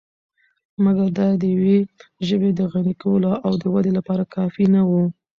مګر دا دیوې ژبې د غني کولو او ودې لپاره کافی نه وو .